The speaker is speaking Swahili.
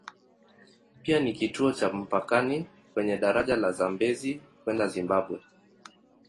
Pia ni kituo cha mpakani kwenye daraja la Zambezi kwenda Zimbabwe.